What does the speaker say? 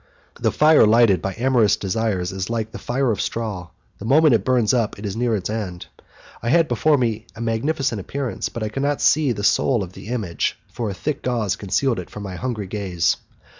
The fire lighted by amorous desires is like a fire of straw; the moment it burns up it is near its end. I had before me a magnificent appearance, but I could not see the soul of the image, for a thick gauze concealed it from my hungry gaze.